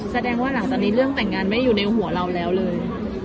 แสดงว่าหลังจากนี้เรื่องแต่งงานไม่ได้อยู่ในหัวเราแล้วเลย